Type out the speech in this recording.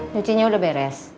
nucinya udah beres